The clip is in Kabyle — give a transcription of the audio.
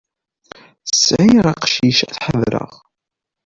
Sɛiɣ aqcic ad t-ḥadreɣ.